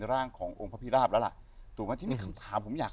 รับแล้วล่ะถูกก็ที่มีคำถามผมอยาก